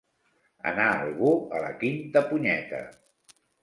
Anar algú a la quinta punyeta.